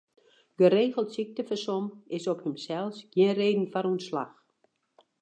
Geregeld syktefersom is op himsels gjin reden foar ûntslach.